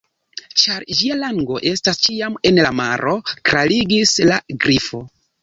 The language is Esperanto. "Ĉar ĝia lango estas ĉiam en la maro," klarigis la Grifo.